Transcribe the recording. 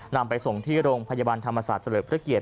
นำไปส่งที่โรงพยาบาลธรรมศาสตร์เฉลิมพระเกียรติ